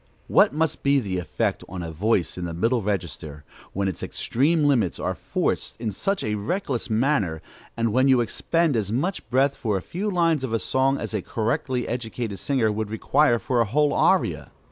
What must be the effect on a voice in the middle register, when its extreme limits are forced in such a reckless manner, and when you expend as much breath for a few lines of a song as a correctly educated singer would require for a whole aria?